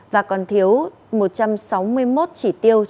và còn thiếu một trăm sáu mươi một chỉ tiêu